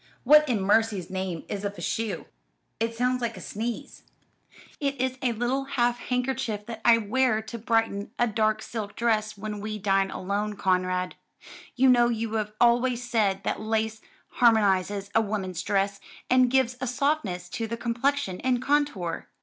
"What in mercy's name is a fichu? It sounds like a sneeze." "It is a little half handkerchief that I wear to brighten a dark silk dress when we dine alone, Conrad. You know you have always said that lace harmonises a woman's dress, and gives a softness to the complexion and contour."